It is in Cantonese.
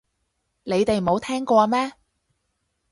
你哋冇聽過咩